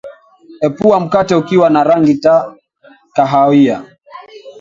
epua mkate ukiwa na rangi ta kahawia